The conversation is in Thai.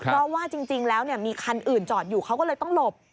เพราะว่าจริงแล้วมีคันอื่นจอดอยู่เขาก็เลยต้องหลบ